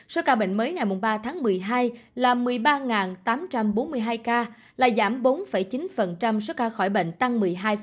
số ca bệnh mới ngày ba tháng một mươi hai là một mươi ba tám trăm bốn mươi hai ca là giảm bốn chín số ca khỏi bệnh tăng một mươi hai